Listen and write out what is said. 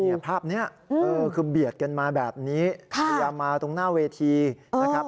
ภาพนี้คือเบียดกันมาแบบนี้พยายามมาตรงหน้าเวทีนะครับ